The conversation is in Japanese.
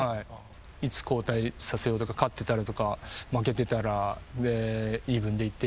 いつ交代させようとか勝ってたらとか負けてたらでイーブンでいってるとき等々